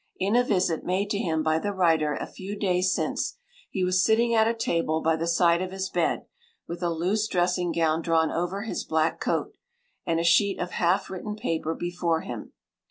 In a visit made to him by the writer a few days since, he was sitting at a table by the side of his bed, with a loose dressing gown drawn over his black coat, and a sheet of half written paper before him.